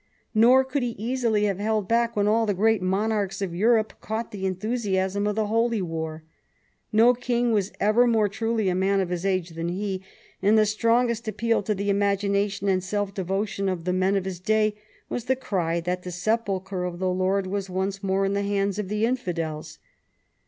Nor could he easily have held back when all the great monarchs of Europe caught the enthusiasm of the Holy War. No king was ever more truly a man of his age than he, and the strongest appeal to the imagination and self devotion of the men of his day was the cry that the sepulchre of the Lord was once more in the hands of the infidels.